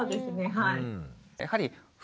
はい。